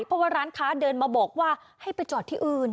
เพราะว่าร้านค้าเดินมาบอกว่าให้ไปจอดที่อื่น